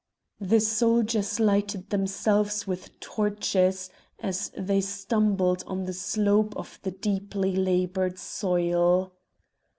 The soldiers lighted themselves with torches as they stumbled on the slope of the deeply laboured soil.